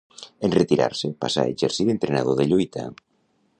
En retirar-se passà a exercir d'entrenador de lluita.